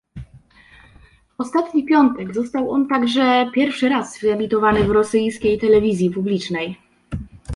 W ostatni piątek został on także pierwszy raz wyemitowany w rosyjskiej telewizji publicznej